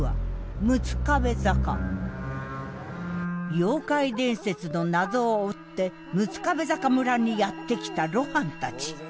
妖怪伝説の謎を追って六壁坂村にやって来た露伴たち。